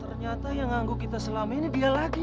ternyata yang angguk kita selama ini dia lagi